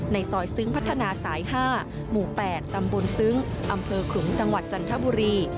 ในซอยซึ้งพัฒนาสาย๕หมู่๘ตำบลซึ้งอำเภอขลุงจังหวัดจันทบุรี